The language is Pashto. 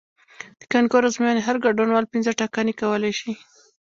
د کانکور ازموینې هر ګډونوال پنځه ټاکنې کولی شي.